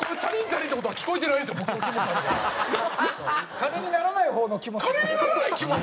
金にならない方のキモさ。